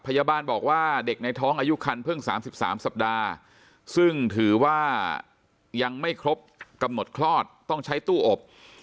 พยาบาลบอกว่าเด็กในท้องอายุคันเพิ่ง๓๓สัปดาห์ซึ่งถือว่ายังไม่ครบกำหนดคลอดต้องใช้ตู้อบ